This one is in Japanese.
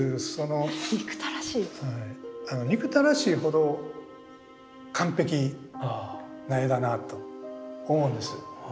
憎たらしいほど完璧な絵だなぁと思うんです。